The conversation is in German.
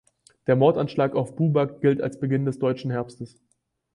Der Mordanschlag auf Buback gilt als Beginn des Deutschen Herbstes.